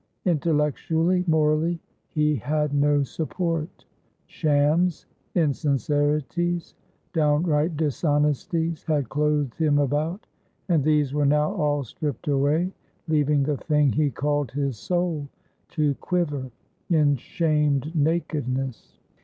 Intellectually, morally, he had no support; shams, insincerities, downright dishonesties, had clothed him about, and these were now all stripped away, leaving the thing he called his soul to quiver in shamed nakedness.